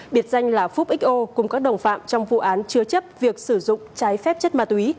biệt danh là phúc xo cùng các đồng phạm trong vụ án chứa chấp việc sử dụng trái phép chất ma túy